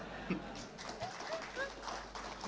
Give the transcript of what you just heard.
kita harus pindah ke ikn